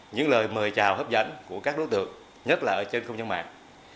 những lời mời chào hấp dẫn của các đối tượng nhất là ở trên không gian mạng